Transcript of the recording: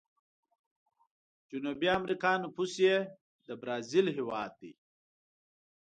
جنوبي امريکا نفوس یې د برازیل هیواد دی.